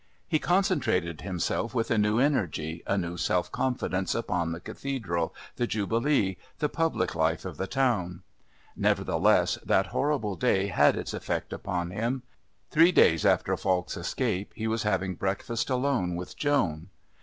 He concentrated himself with a new energy, a new self confidence, upon the Cathedral, the Jubilee, the public life of the town. Nevertheless, that horrible day had had its effect upon him. Three days after Falk's escape he was having breakfast alone with Joan.